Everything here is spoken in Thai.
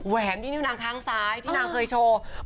แหนที่นิ้วนางข้างซ้ายที่นางเคยโชว์